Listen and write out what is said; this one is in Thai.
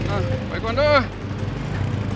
เอาล่ะไว้ก่อนด้วย